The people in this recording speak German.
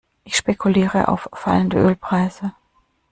Ich spekuliere auf fallende Ölpreise.